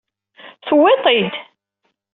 Tewwiḍ-t-id!